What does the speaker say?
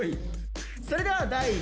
それでは第９問。